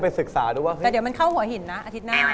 หรือเราอยากกลับมาที่เรื่องเพื่อนเขาก่อนมั้ยล่ะ